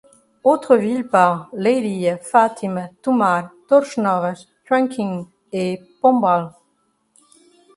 Autres villes par: Leiria, Fatima, Tomar, Torres Novas, Trunking et Pombal.